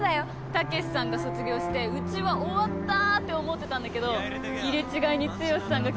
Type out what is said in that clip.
猛さんが卒業してうちは終わったって思ってたんだけど入れ違いに剛さんが来てくれた